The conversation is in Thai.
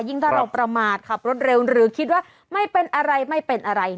ถ้าเราประมาทขับรถเร็วหรือคิดว่าไม่เป็นอะไรไม่เป็นอะไร